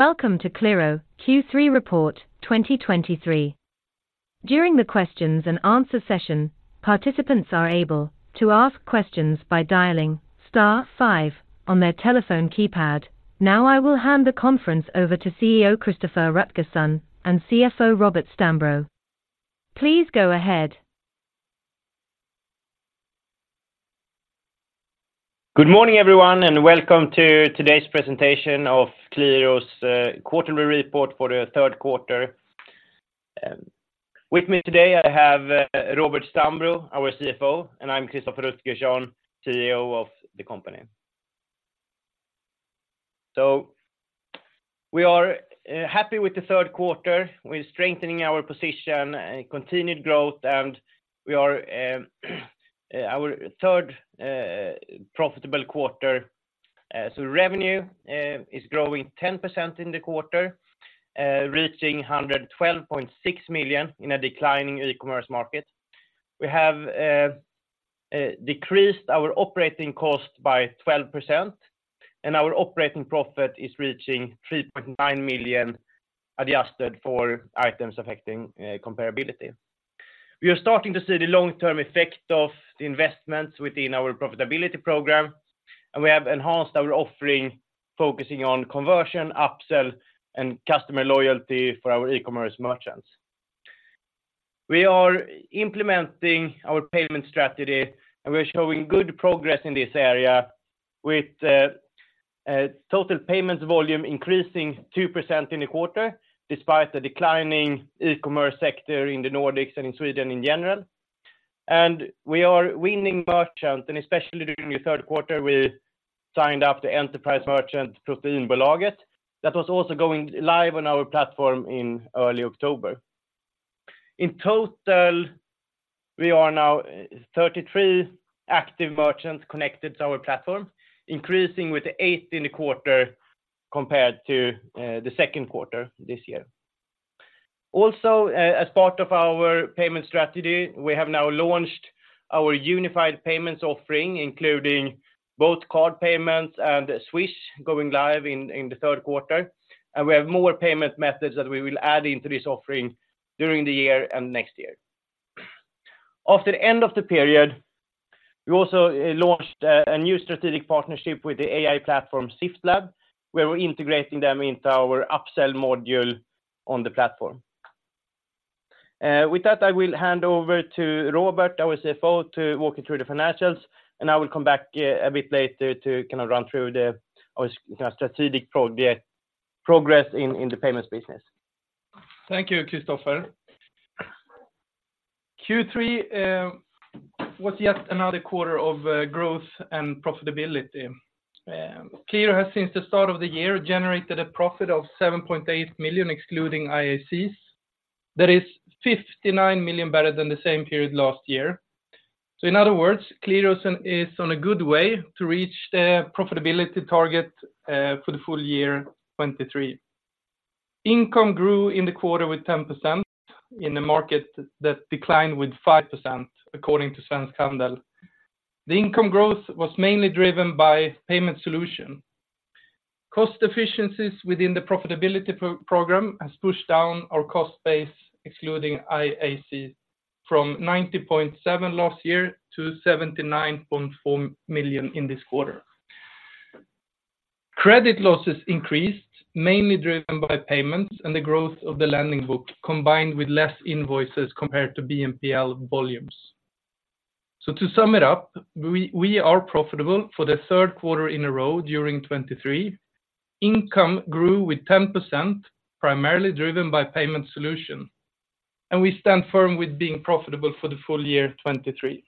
Welcome to Qliro Q3 report 2023. During the questions and answer session, participants are able to ask questions by dialing star five on their telephone keypad. Now, I will hand the conference over to CEO, Christoffer Rutgersson, and CFO, Robert Stambro. Please go ahead. Good morning, everyone, and welcome to today's presentation of Qliro's quarterly report for the third quarter. With me today, I have Robert Stambro, our CFO, and I'm Christoffer Rutgersson, CEO of the company. So we are happy with the third quarter. We're strengthening our position and continued growth, and we are our third profitable quarter. So revenue is growing 10% in the quarter, reaching 112.6 million in a declining e-commerce market. We have decreased our operating cost by 12%, and our operating profit is reaching 3.9 million, adjusted for items affecting comparability. We are starting to see the long-term effect of the investments within our profitability program, and we have enhanced our offering, focusing on conversion, upsell, and customer loyalty for our e-commerce merchants. We are implementing our payment strategy, and we're showing good progress in this area, with total payments volume increasing 2% in the quarter, despite the declining e-commerce sector in the Nordics and in Sweden in general. And we are winning merchant, and especially during the third quarter, we signed up the enterprise merchant, Proteinbolaget, that was also going live on our platform in early October. In total, we are now 33 active merchants connected to our platform, increasing with eight in the quarter compared to the second quarter this year. Also, as part of our payment strategy, we have now launched our Unified Payments offering, including both card payments and Swish going live in the third quarter, and we have more payment methods that we will add into this offering during the year and next year. At the end of the period, we also launched a new strategic partnership with the AI platform, Sift Lab, where we're integrating them into our upsell module on the platform. With that, I will hand over to Robert, our CFO, to walk you through the financials, and I will come back a bit later to kinda run through the kind of strategic progress in the payments business. Thank you, Christoffer. Q3 was yet another quarter of growth and profitability. Qliro has, since the start of the year, generated a profit of 7.8 million, excluding IACs. That is 59 million better than the same period last year. So in other words, Qliro is on, is on a good way to reach their profitability target for the full year 2023. Income grew in the quarter with 10% in a market that declined with 5%, according to Svensk Handel. The income growth was mainly driven by payment solution. Cost efficiencies within the profitability pro-program has pushed down our cost base, excluding IAC, from 90.7 million last year to 79.4 million in this quarter. Credit losses increased, mainly driven by payments and the growth of the lending book, combined with less invoices compared to BNPL volumes. So to sum it up, we are profitable for the third quarter in a row during 2023. Income grew with 10%, primarily driven by payment solution, and we stand firm with being profitable for the full year 2023.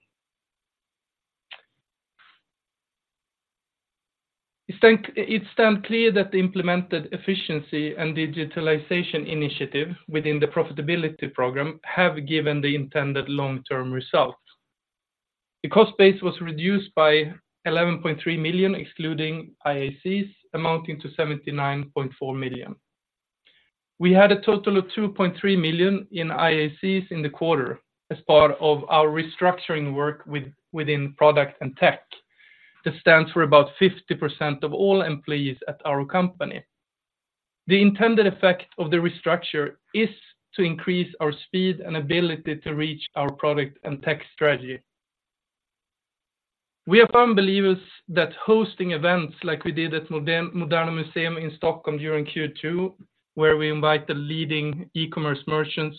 It stands clear that the implemented efficiency and digitalization initiative within the profitability program have given the intended long-term results. The cost base was reduced by 11.3 million, excluding IACs, amounting to 79.4 million. We had a total of 2.3 million in IACs in the quarter as part of our restructuring work within product and tech. That stands for about 50% of all employees at our company. The intended effect of the restructure is to increase our speed and ability to reach our product and tech strategy. We are firm believers that hosting events like we did at Moderna Museet in Stockholm during Q2, where we invite the leading e-commerce merchants,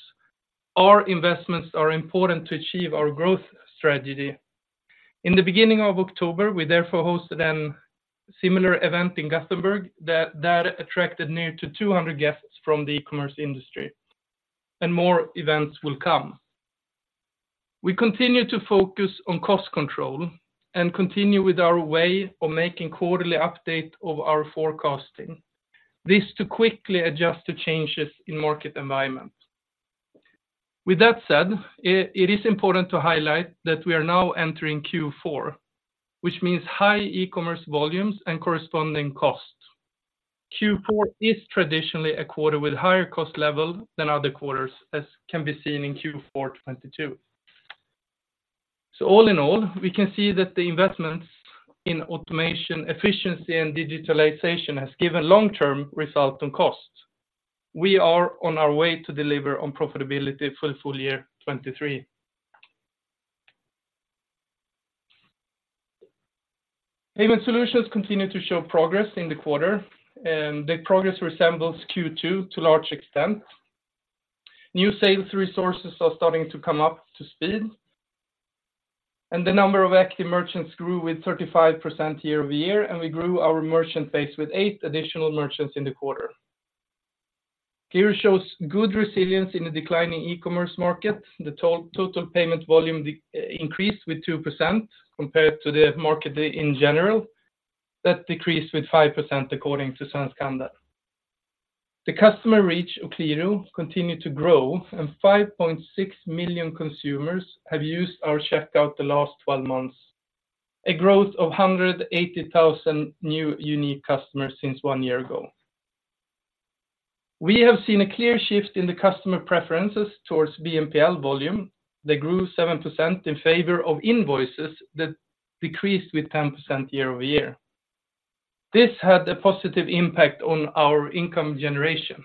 our investments are important to achieve our growth strategy. In the beginning of October, we therefore hosted a similar event in Gothenburg, that attracted near to 200 guests from the e-commerce industry, and more events will come. We continue to focus on cost control and continue with our way of making quarterly update of our forecasting. This to quickly adjust to changes in market environment. With that said, it is important to highlight that we are now entering Q4, which means high e-commerce volumes and corresponding costs. Q4 is traditionally a quarter with higher cost level than other quarters, as can be seen in Q4 2022. So all in all, we can see that the investments in automation, efficiency, and digitalization has given long-term results on costs. We are on our way to deliver on profitability for full year 2023. Payment solutions continue to show progress in the quarter, and the progress resembles Q2 to a large extent. New sales resources are starting to come up to speed, and the number of active merchants grew with 35% year-over-year, and we grew our merchant base with eight additional merchants in the quarter. Qliro shows good resilience in the declining e-commerce market. The total payment volume increased with 2% compared to the market in general. That decreased with 5%, according to Svensk Handel. The customer reach of Qliro continued to grow, and 5.6 million consumers have used our checkout the last 12 months, a growth of 180,000 new unique customers since one year ago. We have seen a clear shift in the customer preferences towards BNPL volume. They grew 7% in favor of invoices that decreased with 10% year-over-year. This had a positive impact on our income generation.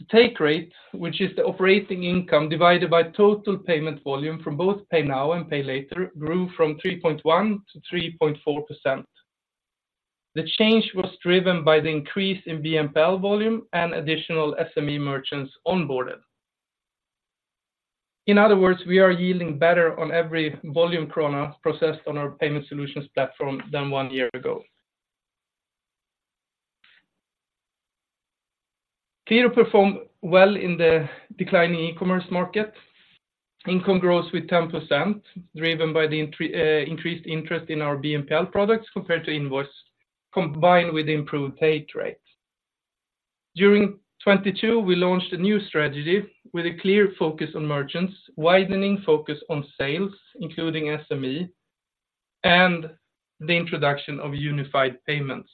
The Take Rate, which is the operating income divided by total payment volume from both Pay Now and Pay Later, grew from 3.1%-3.4%. The change was driven by the increase in BNPL volume and additional SME merchants onboarded. In other words, we are yielding better on every volume krona processed on our payment solutions platform than one year ago. Qliro performed well in the declining e-commerce market. Income grows with 10%, driven by the increased interest in our BNPL products compared to invoice, combined with improved Take Rate. During 2022, we launched a new strategy with a clear focus on merchants, widening focus on sales, including SME, and the introduction of Unified Payments.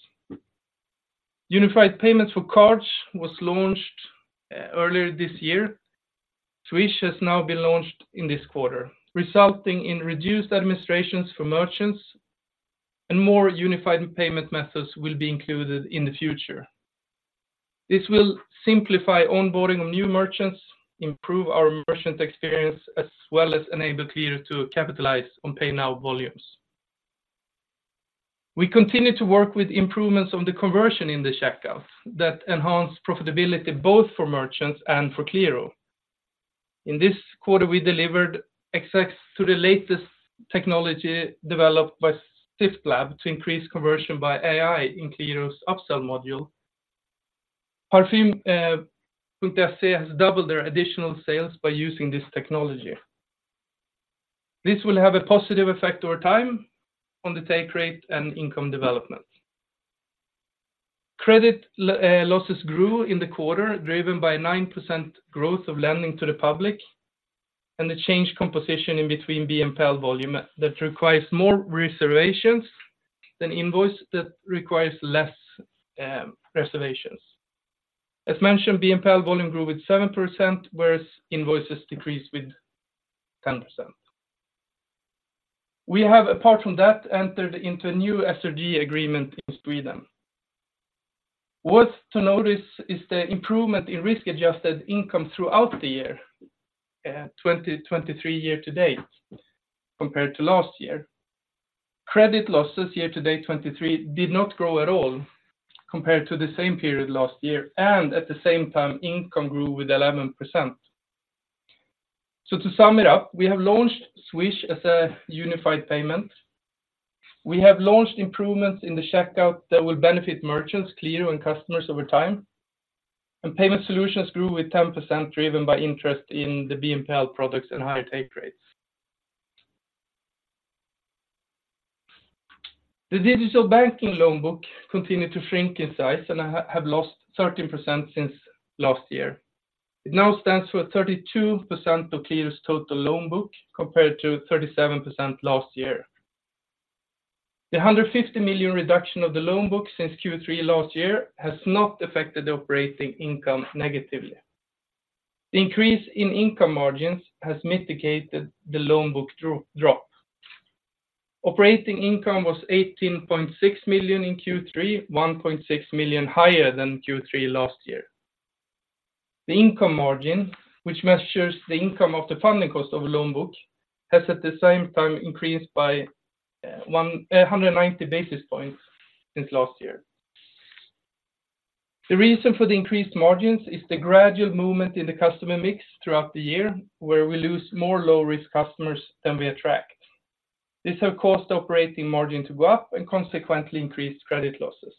Unified Payments for cards was launched earlier this year. Swish has now been launched in this quarter, resulting in reduced administrations for merchants, and more unified payment methods will be included in the future. This will simplify onboarding of new merchants, improve our merchant experience, as well as enable Qliro to capitalize on Pay Now volumes. We continue to work with improvements on the conversion in the checkout that enhance profitability, both for merchants and for Qliro. In this quarter, we delivered access to the latest technology developed by Sift Lab to increase conversion by AI in Qliro's upsell module. Parfym.se has doubled their additional sales by using this technology. This will have a positive effect over time on the take rate and income development. Credit losses grew in the quarter, driven by 9% growth of lending to the public and the change composition in between BNPL volume that requires more reservations than invoice that requires less reservations. As mentioned, BNPL volume grew with 7%, whereas invoices decreased with 10%. We have, apart from that, entered into a new SRG agreement in Sweden. Worth to notice is the improvement in risk-adjusted income throughout the year, 2023 year to date, compared to last year. Credit losses year to date, 2023, did not grow at all compared to the same period last year, and at the same time, income grew with 11%. So to sum it up, we have launched Swish as a unified payment. We have launched improvements in the checkout that will benefit merchants, Qliro, and customers over time. Payment solutions grew with 10%, driven by interest in the BNPL products and higher take rates. The digital banking loan book continued to shrink in size and has lost 13% since last year. It now stands for 32% of Qliro's total loan book, compared to 37% last year. The 150 million reduction of the loan book since Q3 last year has not affected the operating income negatively. The increase in income margins has mitigated the loan book drop. Operating income was 18.6 million in Q3, 1.6 million higher than Q3 last year. The income margin, which measures the income of the funding cost of a loan book, has, at the same time, increased by 190 basis points since last year. The reason for the increased margins is the gradual movement in the customer mix throughout the year, where we lose more low-risk customers than we attract. This has caused the operating margin to go up and consequently increased credit losses.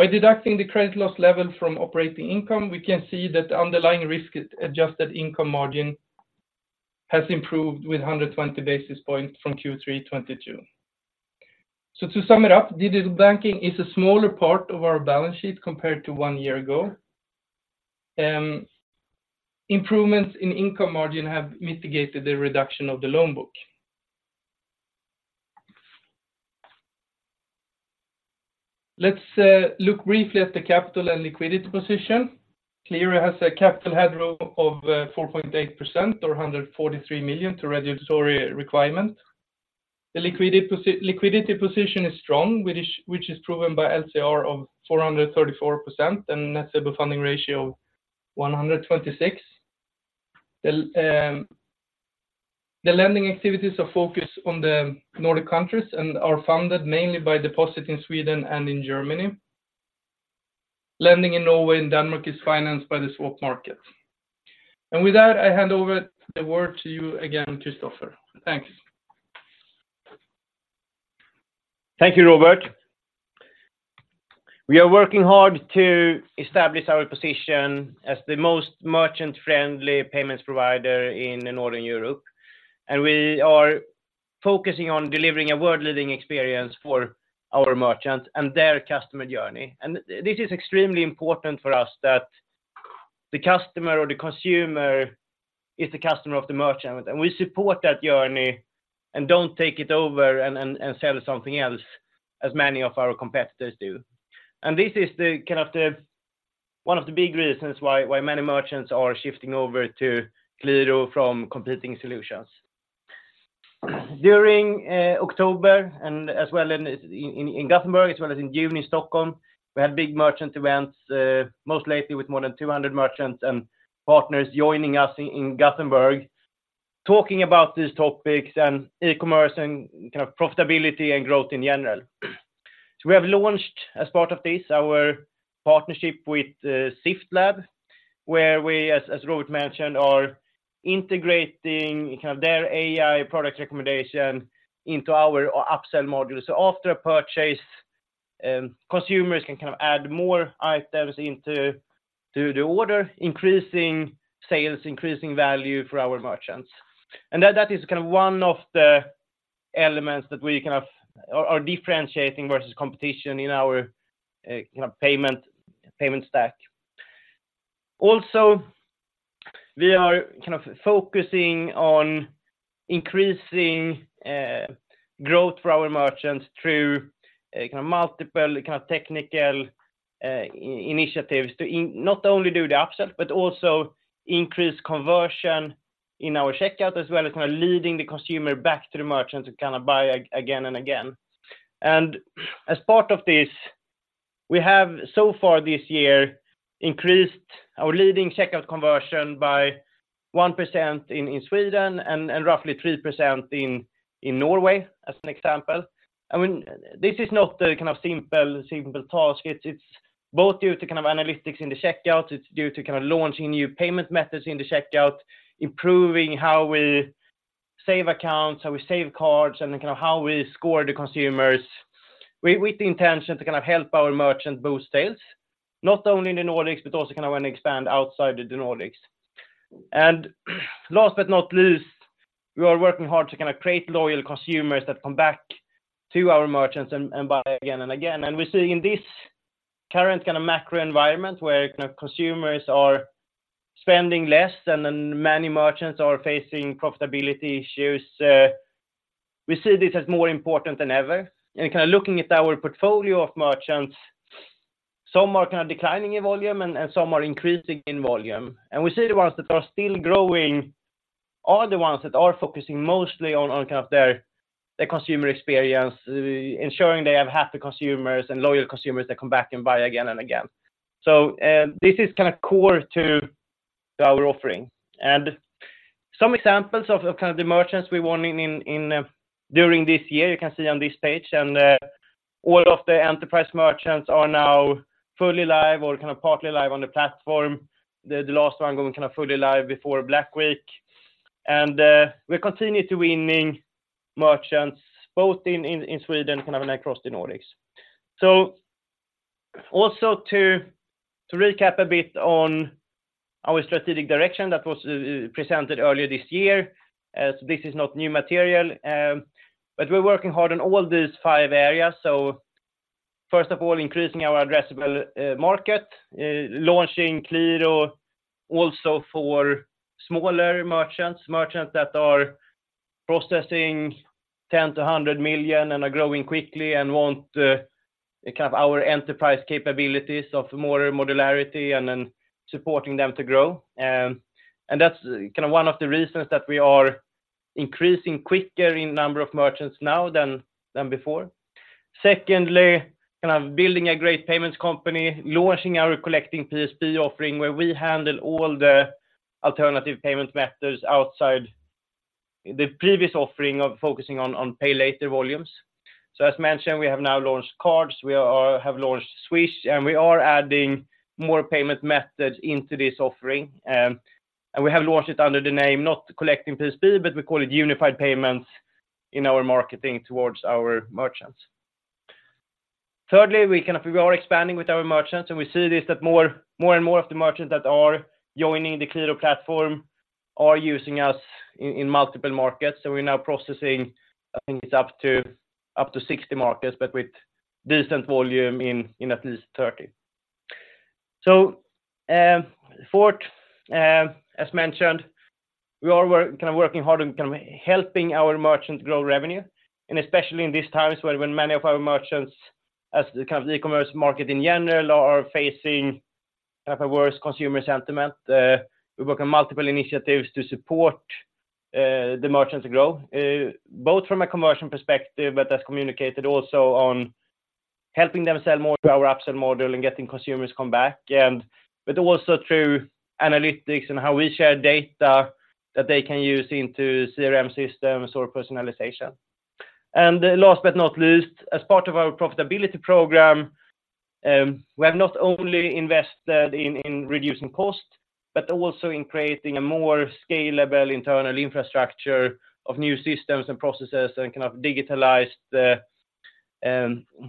By deducting the credit loss level from operating income, we can see that the underlying risk-adjusted income margin has improved with 120 basis points from Q3 2022. So to sum it up, digital banking is a smaller part of our balance sheet compared to one year ago. Improvements in income margin have mitigated the reduction of the loan book. Let's look briefly at the capital and liquidity position. Qliro has a capital adequacy ratio of 4.8% or 143 million to regulatory requirement. The liquidity position is strong, which is proven by LCR of 434% and net stable funding ratio 126. The lending activities are focused on the Nordic countries and are funded mainly by deposit in Sweden and in Germany. Lending in Norway and Denmark is financed by the swap market. And with that, I hand over the word to you again, Christoffer. Thank you. Thank you, Robert. We are working hard to establish our position as the most merchant-friendly payments provider in Northern Europe, and we are focusing on delivering a world-leading experience for our merchants and their customer journey. This is extremely important for us, that the customer or the consumer is the customer of the merchant, and we support that journey and don't take it over and sell something else, as many of our competitors do. This is one of the big reasons why many merchants are shifting over to Qliro from competing solutions. During October, and as well in Gothenburg, as well as in June in Stockholm, we had big merchant events, most lately with more than 200 merchants and partners joining us in Gothenburg, talking about these topics and e-commerce and kind of profitability and growth in general. So we have launched, as part of this, our partnership with Sift Lab, where we, as Robert mentioned, are integrating kind of their AI product recommendation into our upsell module. So after a purchase, consumers can kind of add more items into the order, increasing sales, increasing value for our merchants. And that is kind of one of the elements that we kind of are differentiating versus competition in our kind of payment stack. Also, we are kind of focusing on increasing growth for our merchants through kind of multiple kind of technical initiatives to not only do the upsell, but also increase conversion in our checkout, as well as kind of leading the consumer back to the merchant to kind of buy again and again. And as part of this, we have so far this year increased our leading checkout conversion by 1% in Sweden and roughly 3% in Norway, as an example. I mean, this is not the kind of simple task. It's both due to kind of analytics in the checkout, it's due to kind of launching new payment methods in the checkout, improving how we save accounts, how we save cards, and kind of how we score the consumers, with the intention to kind of help our merchant boost sales, not only in the Nordics, but also kind of when expand outside the Nordics. And last but not least, we are working hard to kind of create loyal consumers that come back to our merchants and buy again and again. And we see in this current kind of macro environment where kind of consumers are spending less, and then many merchants are facing profitability issues, we see this as more important than ever. And kind of looking at our portfolio of merchants, some are kind of declining in volume and some are increasing in volume. We see the ones that are still growing are the ones that are focusing mostly on kind of their consumer experience, ensuring they have happy consumers and loyal consumers that come back and buy again and again. So, this is kind of core to our offering. And some examples of kind of the merchants we want in during this year, you can see on this page, and all of the enterprise merchants are now fully live or kind of partly live on the platform, the last one going kind of fully live before Black Week. And we continue to winning merchants, both in Sweden, kind of and across the Nordics. So also to recap a bit on our strategic direction that was presented earlier this year, as this is not new material, but we're working hard on all these five areas. So first of all, increasing our addressable market, launching Qliro also for smaller merchants, merchants that are processing 10 million-100 million and are growing quickly and want kind of our enterprise capabilities of more modularity and then supporting them to grow. And that's kind of one of the reasons that we are increasing quicker in number of merchants now than before. Secondly, kind of building a great payments company, launching our collecting PSP offering, where we handle all the alternative payment methods outside the previous offering of focusing on pay later volumes. So as mentioned, we have now launched cards, we have launched Swish, and we are adding more payment methods into this offering. And we have launched it under the name, not collecting PSP, but we call it Unified Payments in our marketing towards our merchants. Thirdly, we kind of are expanding with our merchants, and we see that more and more of the merchants that are joining the Qliro platform are using us in multiple markets. So we're now processing, I think it's up to 60 markets, but with decent volume in at least 30.... So, fourth, as mentioned, we are kind of working hard on kind of helping our merchants grow revenue, and especially in these times, where when many of our merchants, as the kind of e-commerce market in general, are facing kind of a worse consumer sentiment. We work on multiple initiatives to support the merchants grow, both from a conversion perspective, but as communicated also on helping them sell more to our upsell model and getting consumers come back, and but also through analytics and how we share data that they can use into CRM systems or personalization. And last but not least, as part of our profitability program, we have not only invested in reducing cost, but also in creating a more scalable internal infrastructure of new systems and processes and kind of digitalized the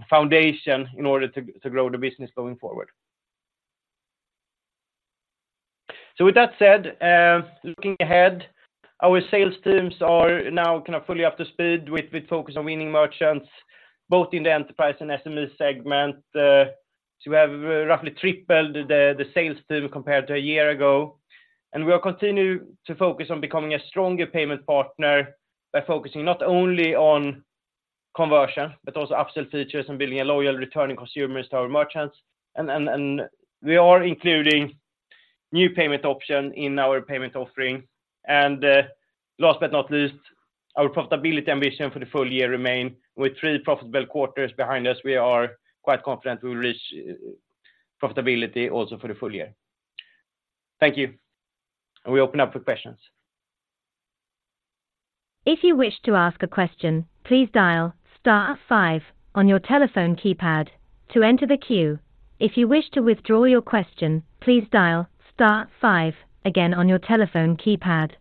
foundation in order to grow the business going forward. So with that said, looking ahead, our sales teams are now kind of fully up to speed with focus on winning merchants, both in the enterprise and SME segment. So we have roughly tripled the sales team compared to a year ago, and we are continuing to focus on becoming a stronger payment partner by focusing not only on conversion, but also upsell features and building a loyal, returning consumers to our merchants. And we are including new payment option in our payment offering. And, last but not least, our profitability ambition for the full year remain. With three profitable quarters behind us, we are quite confident we will reach profitability also for the full year. Thank you. We open up for questions. If you wish to ask a question, please dial star five on your telephone keypad to enter the queue. If you wish to withdraw your question, please dial star five again on your telephone keypad.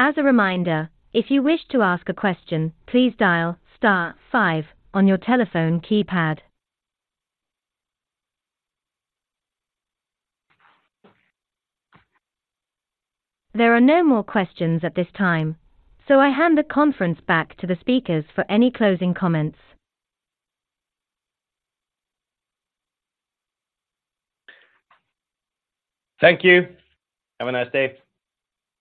As a reminder, if you wish to ask a question, please dial star five on your telephone keypad. There are no more questions at this time, so I hand the conference back to the speakers for any closing comments. Thank you. Have a nice day!